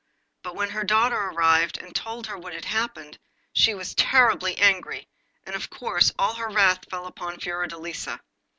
But when her daughter arrived and told her all that had happened she was terribly angry, and of course all her wrath fell upon Fiordelisa.